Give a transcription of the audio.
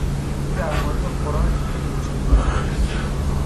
او در مورد خوراک خیلی مشکل پسند است.